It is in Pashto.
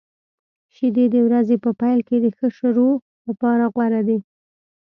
شیدې د ورځې په پیل کې د ښه شروع لپاره غوره دي.